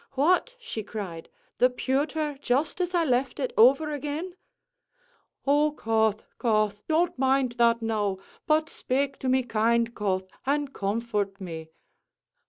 "What!" she cried, "the pewther just as I left it, over again!" "O Cauth! Cauth! don't mind that now but spake to me kind, Cauth, an' comfort me."